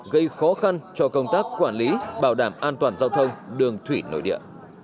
gây khó khăn cho công tác quản lý bảo đảm an toàn giao thông đường thủy nội địa